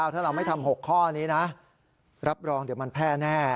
ถ้าเราไม่ทำ๖ข้อนี้นะรับรองเดี๋ยวมันแพร่แน่